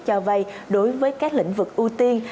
cho vay đối với các lĩnh vực ưu tiên